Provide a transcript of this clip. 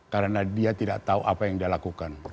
karena dia tidak tahu apa yang dia lakukan